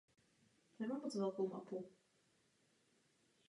Jeho učitelem skladby byl prof.